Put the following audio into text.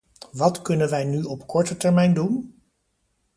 Wat kunnen wij nu op korte termijn doen?